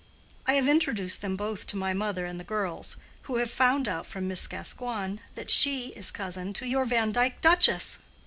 I have introduced them both to my mother and the girls, who have found out from Miss Gascoigne that she is cousin to your Vandyke duchess!!!